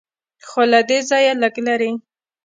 خو له دې ځایه لږ لرې.